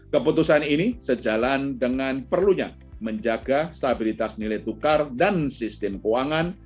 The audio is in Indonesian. keputusan ini sejalan dengan perlunya menjaga stabilitas nilai tukar dan sistem keuangan